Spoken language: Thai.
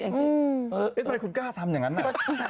ทำไมคุณกล้าทำอย่างนั้นน่ะ